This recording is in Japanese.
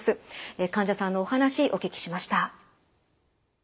患者さんのお話お聞きしました。